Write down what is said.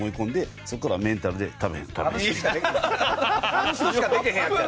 あの人しかできへんやつや。